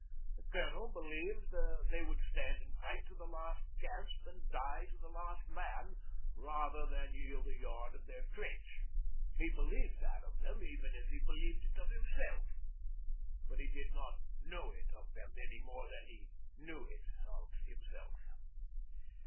The Colonel believed they would stand and fight to the last gasp and die to the last man rather than yield a yard of their trench. He believed that of them even as he believed it of himself but he did not know it of them any more than he knew it of himself.